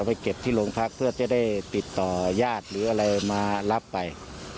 ไปเก็บที่โรงพักเพื่อจะได้ติดต่อยาดหรืออะไรมารับไป